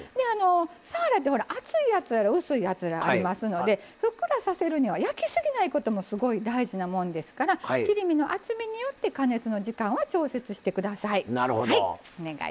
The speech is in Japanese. さわらって、厚いやつ薄いやつやらありますのでふっくらさせるには焼きすぎないこともすごい大事なもんですから切り身の厚みによって加熱の時間を調節してください。